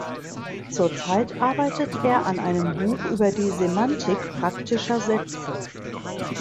Zur Zeit arbeitet er an einem Buch über die Semantik praktischer Sätze.